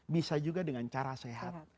bisa juga dengan cara sehat